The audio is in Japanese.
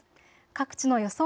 各地の予想